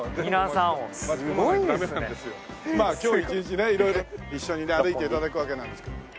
まあ今日一日ね色々一緒にね歩いて頂くわけなんですけど。